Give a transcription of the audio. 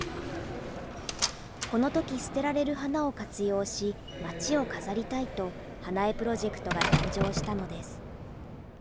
このとき捨てられる花を活用し、町を飾りたいと、花絵プロジェクトが誕生したのです。